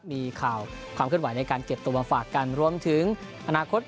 ติดตามความเคลื่อนไหว